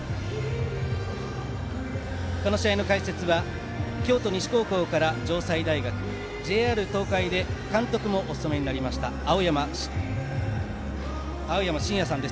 この試合の解説は京都西高校から城西大学ＪＲ東海で監督もお務めになりました青山眞也さんです。